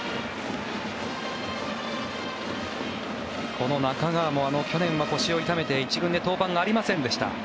この中川も去年は腰を痛めて１軍で登板がありませんでした。